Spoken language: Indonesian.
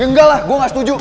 ya enggak lah gue ga setuju